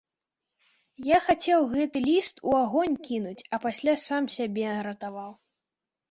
Я хацеў гэты ліст у агонь кінуць, а пасля сам сябе ратаваў.